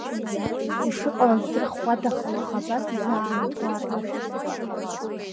Ишыҟала здырхуада, аха уаха абас изааны дгәарлеит аҩныҟа.